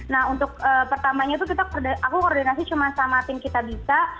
nah untuk pertamanya tuh aku koordinasi cuma sama tim kita bisa